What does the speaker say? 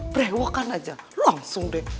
berewakan aja langsung deh